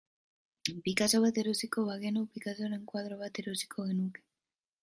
Picasso bat erosiko bagenu, Picassoren koadro bat erosiko genuke.